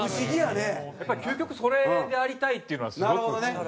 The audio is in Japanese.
やっぱり究極それでありたいっていうのはすごく。